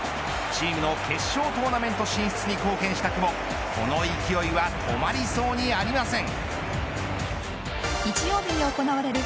チームの決勝トーナメント進出に貢献した久保この勢いは止まりそうにありません。